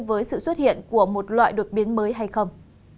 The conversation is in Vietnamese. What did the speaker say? với sự xuất hiện của một loại đột biến mới hay không